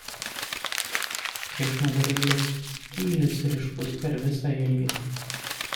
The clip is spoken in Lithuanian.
Priešnugarėlės kylis ryškus per visą ilgį.